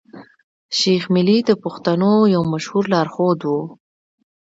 شېخ ملي د پښتنو يو مشهور لار ښود وو.